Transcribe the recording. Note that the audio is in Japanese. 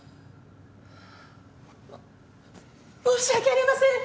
申し訳ありません！